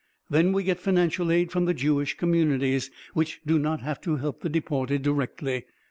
Then we get financial aid from the Jewish communities, which do not have to help the deported directly.